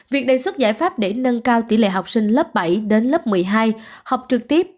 việc đề xuất giải pháp để nâng cao tỷ lệ học sinh lớp bảy đến lớp một mươi hai học trực tiếp